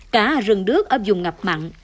cả rừng nước ấp dùng ngập mặn